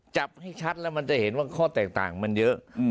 จับให้ชัดแล้วมันจะเห็นว่าข้อแตกต่างมันเยอะ